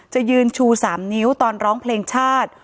จะยืนชู๓นิ้วตอนร้องเพลงชาติ